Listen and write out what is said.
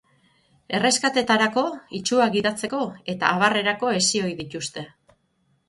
Erreskatetarako, itsuak gidatzeko eta abarrerako hezi ohi dituzte.